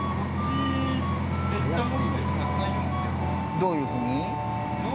どういうふうに？